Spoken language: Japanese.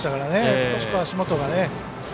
少し足元が。